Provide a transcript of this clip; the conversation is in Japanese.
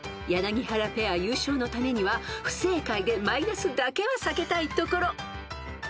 ［柳原ペア優勝のためには不正解でマイナスだけは避けたいところ］